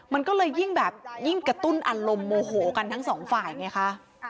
มันก็เลยยิ่งแบบยิ่งกระตุ้นอารมณ์โมโหกันทั้งสองฝ่ายไงคะ